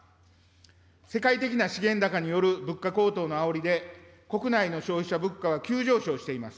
世界的な資源高による物価高騰のあおりで、国内の消費者物価は急上昇しています。